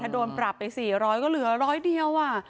ถ้าโดนปรับไป๔๐๐ก็เหลือ๑๐๐เดียวอ่ะ